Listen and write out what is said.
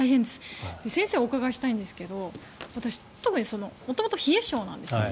先生にお伺いしたいんですが私、特に元々冷え性なんですね。